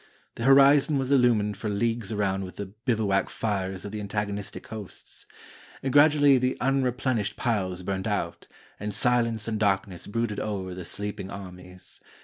The horizon was il lumined for leagues around with the bivouac fires of the antagonistic hosts. Gradually the unreplenished piles burned out, and silence and darkness brooded over the sleeping armies.